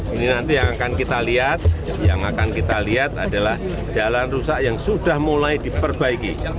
ini nanti yang akan kita lihat adalah jalan rusak yang sudah mulai diperbaiki